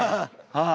はい！